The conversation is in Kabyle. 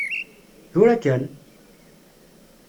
Tura kan!